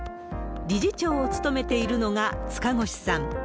理事長を務めているのが塚越さん